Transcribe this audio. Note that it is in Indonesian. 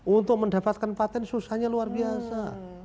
untuk mendapatkan patent susahnya luar biasa